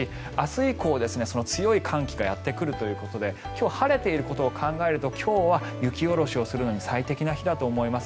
以降、強い寒気がやってくるということで今日、晴れていることを考えると今日は雪下ろしをするのに最適な日だと思います。